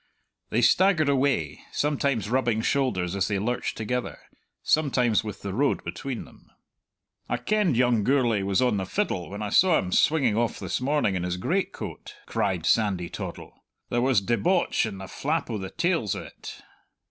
They staggered away, sometimes rubbing shoulders as they lurched together, sometimes with the road between them. "I kenned young Gourlay was on the fuddle when I saw him swinging off this morning in his greatcoat," cried Sandy Toddle. "There was debauch in the flap o' the tails o't."